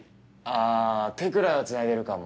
あ手くらいはつないでるかも。